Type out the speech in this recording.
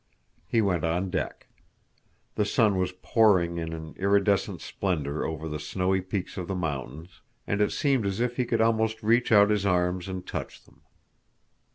He went on deck. The sun was pouring in an iridescent splendor over the snowy peaks of the mountains, and it seemed as if he could almost reach out his arms and touch them.